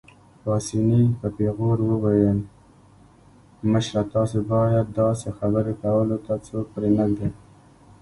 پاسیني په پېغور وویل: مشره، تاسو باید داسې خبرې کولو ته څوک پرېنږدئ.